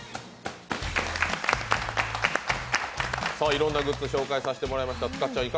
いろんなグッズ紹介させていただきました。